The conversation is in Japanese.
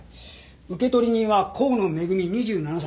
受取人は河野恵２７歳。